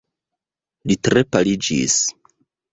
Li tre paliĝis.